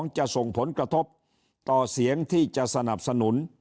จะส่งผลกระทบต่อเสียงที่จะสนับสนุน